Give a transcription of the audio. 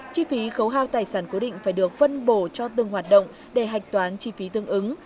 chi phí khấu hao tài sản cố định phải được phân bổ cho từng hoạt động để hạch toán chi phí tương ứng